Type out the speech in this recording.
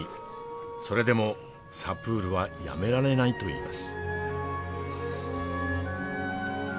それでもサプールはやめられないといいます。